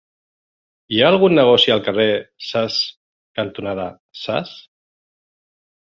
Hi ha algun negoci al carrer Sas cantonada Sas?